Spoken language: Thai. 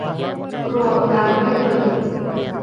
รวมกันไม่เกิน